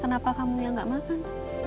kenapa kamu yang nggak makan